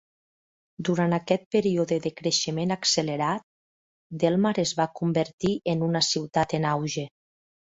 Durant aquest període de creixement accelerat, Delmar es va convertir en una "ciutat en auge".